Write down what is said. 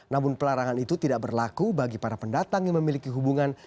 namun pelarangan itu tidak berlaku bagi para pendatang yang memiliki hubungan